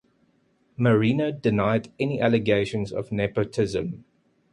Merino denied any allegations of nepotism.